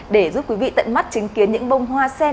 để giúp quý vị tận mắt chứng kiến những bông hoa sen